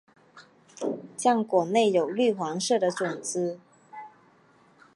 浆果内有绿黄色的种子。